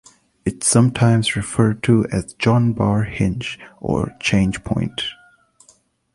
It is sometimes referred to as a Jon Bar hinge or change-point.